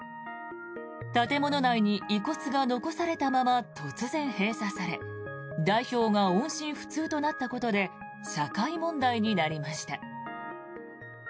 建物内に遺骨が残されたまま突然、閉鎖され代表が音信不通となったことで社会問題になりました。